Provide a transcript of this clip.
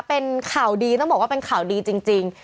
เป็นข่าวดีต้องบอกว่าเป็นข่าวดีจริง